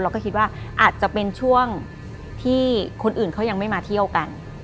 คิดว่าอาจจะเป็นช่วงที่คนอื่นเขายังไม่มาเที่ยวกัน